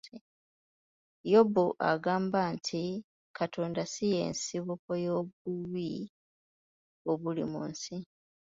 Yobu agamba nti Katonda si y'ensibuko y'obubi obuli mu nsi.